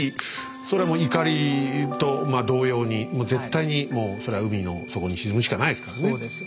それもいかりと同様に絶対にもうそれは海の底に沈むしかないですからね。